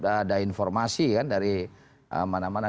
ada informasi kan dari mana mana